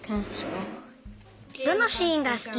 どのシーンがすき？